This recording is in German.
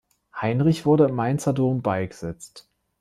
Heinrich wurde im Mainzer Dom beigesetzt.